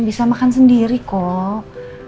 bisa makan sendiri kok